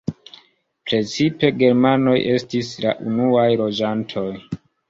Precipe germanoj estis la unuaj loĝantoj.